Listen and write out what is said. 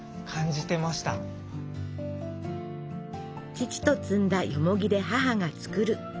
父と摘んだよもぎで母が作る。